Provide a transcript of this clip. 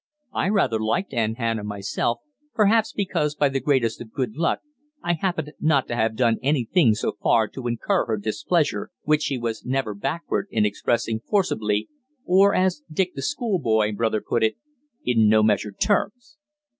I rather liked Aunt Hannah myself, perhaps because, by the greatest of good luck, I happened not to have done anything so far to incur her displeasure, which she was never backward in expressing forcibly, or, as Dick the schoolboy brother put it, "in no measured terms."